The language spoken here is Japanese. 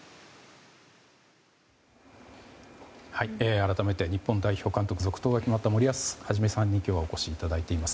改めて日本代表続投が決まった森保一さんにお越しいただいています。